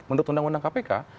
menurut undang undang kpk